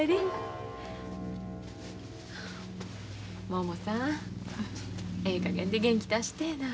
ももさんええかげんで元気出してえな。